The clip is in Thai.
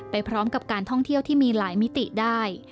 ไปพร้อมกับการท่องเที่ยวที่มีหลายมิติได้